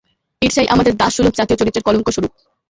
ঈর্ষাই আমাদের দাসসুলভ জাতীয় চরিত্রের কলঙ্কস্বরূপ।